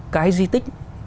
cái di tích